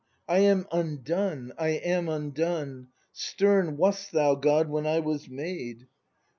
I am undone! I am undone! Stern wast thou, God, when I was made!